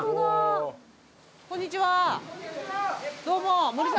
どうも。